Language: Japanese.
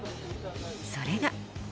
それが。